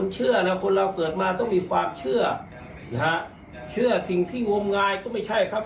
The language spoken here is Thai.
เชื่อสิ่งที่วงายก็ไม่ใช่ครับ